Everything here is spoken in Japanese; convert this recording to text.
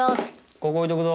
ここ置いとくぞ。